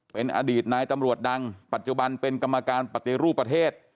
เป็นอดีตนายตำรวจดังปัจจุบันเป็นกรรมการปฏิรูปประเทศ